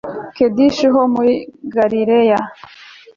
kedeshi ho muri galileya